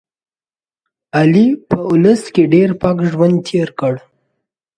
علي په اولس کې ډېر پاک ژوند تېر کړ.